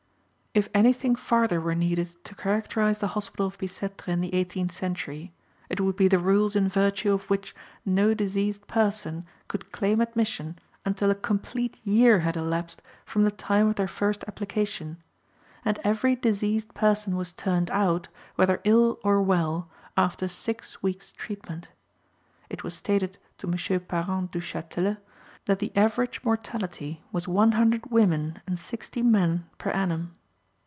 If any thing farther were needed to characterize the hospital of Bicêtre in the eighteenth century, it would be the rules in virtue of which no diseased person could claim admission until a complete year had elapsed from the time of their first application, and every diseased person was turned out, whether ill or well, after six weeks' treatment. It was stated to M. Parent Duchatelet that the average mortality was one hundred women and sixty men per annum.